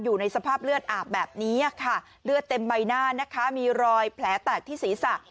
อยู่ในสภาพเลือดอาบแบบนี้ค่ะเลือดเต็มใบหน้านะคะมีรอยแผลแตกที่ศีรษะ